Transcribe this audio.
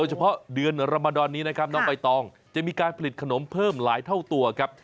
เฉพาะเดือนรมดอนนี้นะครับน้องใบตองจะมีการผลิตขนมเพิ่มหลายเท่าตัวครับ